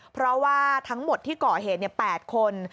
เพราะว่าทั้งหมดที่ก่อเหตุ๘คน